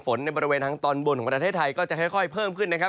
ในบริเวณทางตอนบนของประเทศไทยก็จะค่อยเพิ่มขึ้นนะครับ